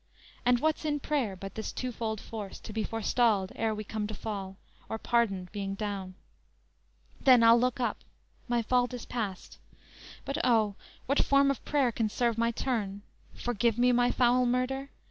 And what's in prayer but this twofold force, To be forestalled ere we come to fall, Or pardoned being down? Then I'll look up; My fault is past. But O, what form of prayer Can serve my turn? Forgive me my foul murder?